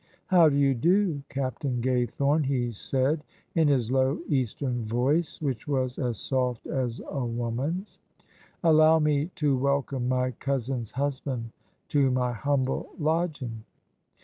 "How do you do, Captain Gaythorne?" he said, in his low, Eastern voice, which was as soft as a woman's :" allow me to welcome my cousin's husband to my humble lodging."